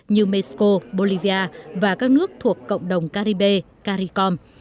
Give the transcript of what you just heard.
như mexico bolivia và các nước thuộc cộng đồng caribe caricom